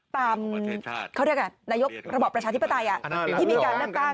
ตามเขาเรียกนายกระบอบประชาธิปไตยที่มีการเลือกตั้ง